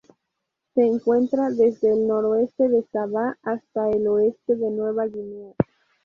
Se encuentra desde el noreste de Sabah hasta el oeste de Nueva Guinea.